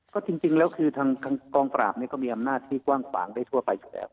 ก็จริงแล้วคือทางกองปราบก็มีอำนาจที่กว้างขวางได้ทั่วไปอยู่แล้ว